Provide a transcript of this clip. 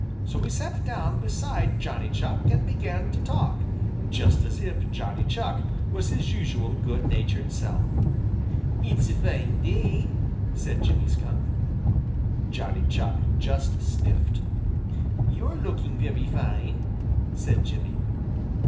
So he sat down beside Johnny Chuck and began to talk, just as if Johnny Chuck was his usual good natured self. "It's a fine day," said Jimmy Skunk. Johnny Chuck just sniffed. "You're looking very fine," said Jimmy.